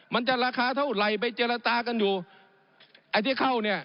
มันจะราคาเท่าไหร่ไปเจรจากันอยู่ไอ้ที่เข้าเนี่ย